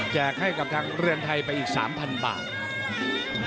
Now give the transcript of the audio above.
ให้กับทางเรือนไทยไปอีก๓๐๐บาท